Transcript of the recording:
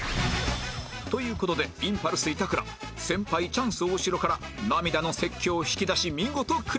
という事でインパルス板倉先輩チャンス大城から涙の説教を引き出し見事クリア